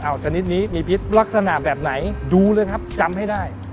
เอาชนิดนี้มีพิษลักษณะแบบไหนดูเลยครับจำให้ได้